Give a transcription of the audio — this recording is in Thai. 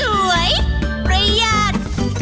สวยประหยัด